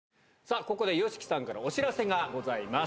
ここでＹＯＳＨＩＫＩさんからお知らせがございます。